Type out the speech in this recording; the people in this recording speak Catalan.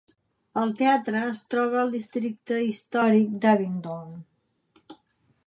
El teatre es troba al districte històric d'Abingdon.